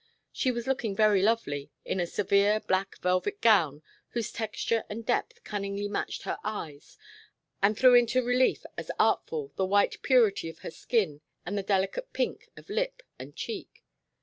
She was looking very lovely in a severe black velvet gown whose texture and depth cunningly matched her eyes and threw into a relief as artful the white purity of her skin and the delicate pink of lip and cheek.